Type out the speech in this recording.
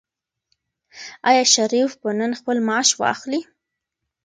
آیا شریف به نن خپل معاش واخلي؟